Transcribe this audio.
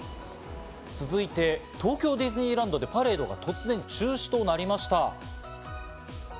続いて東京ディズニーランドでパレードが突然中止となりました。